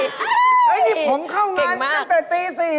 เอ๊ยเก่งมากนี่ผมเข้างานตั้งแต่ตี๔